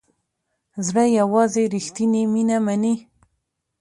زړه یوازې ریښتیني مینه مني.